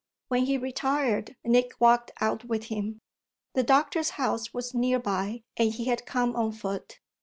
When he retired Nick walked out with him. The doctor's house was near by and he had come on foot.